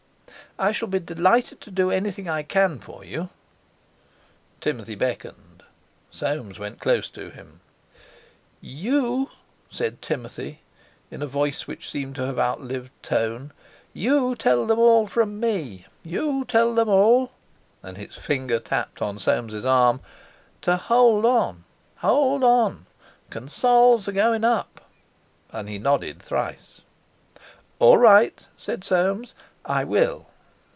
"I shall be delighted to do anything I can for you." Timothy beckoned. Soames went close to him: "You—" said Timothy in a voice which seemed to have outlived tone, "you tell them all from me—you tell them all—" and his finger tapped on Soames' arm, "to hold on—hold on—Consols are goin' up," and he nodded thrice. "All right!" said Soames; "I will."